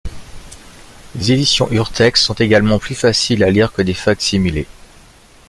Les éditions Urtext sont également plus faciles à lire que des fac-similés.